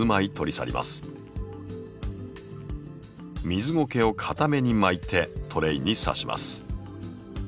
水ゴケをかために巻いてトレイにさします。